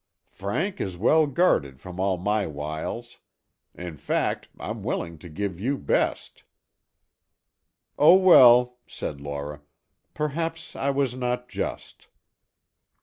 "Frank is well guarded from all my wiles. In fact, I'm willing to give you best." "Oh, well," said Laura, "perhaps I was not just."